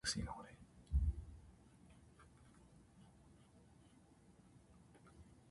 預金取扱金融機関には、信用金庫、信用組合などの協同組織金融機関がある。